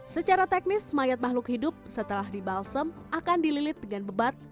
secara teknis mayat makhluk hidup setelah dibalsem akan dililit dengan bebat